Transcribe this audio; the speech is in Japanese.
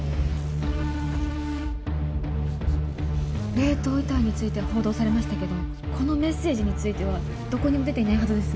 冷凍遺体については報道されましたけどこのメッセージについてはどこにも出ていないはずです。